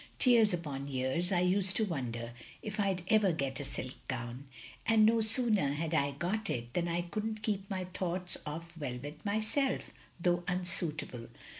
Years upon years I used to wonder if I *d ever get a silk gown; and no sooner had I got it, than I could n't keep my thoughts off velvet myself, though unsuitable.